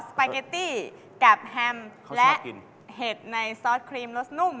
ปาเกตตี้กับแฮมและเห็ดในซอสครีมรสนุ่ม